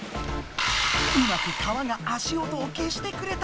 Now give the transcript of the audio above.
うまく川が足音を消してくれた！